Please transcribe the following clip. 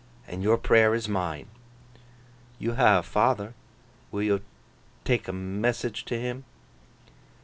And your prayer is mine.' 'You ha' a father. Will yo tak' a message to him?